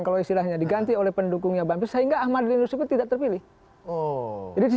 kalau istilahnya diganti oleh pendukungnya bambu sehingga ahmaduddin rusekut tidak terpilih oh